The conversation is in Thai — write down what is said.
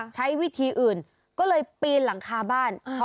ใช้วิธีอื่นก็เลยปีนหลังคาบ้าน